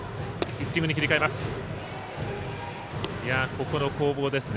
ここの攻防ですね。